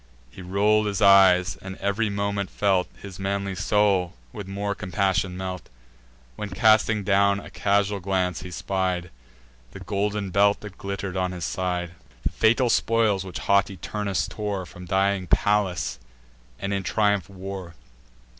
He roll'd his eyes, and ev'ry moment felt His manly soul with more compassion melt; When, casting down a casual glance, he spied The golden belt that glitter'd on his side, The fatal spoils which haughty Turnus tore From dying Pallas, and in triumph wore.